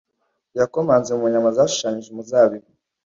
yakomanze mu nyama zashushanyije umuzabibu